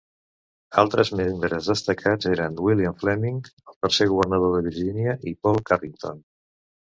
Altres membres destacats eren William Fleming, el tercer governador de Virgínia i Paul Carrington.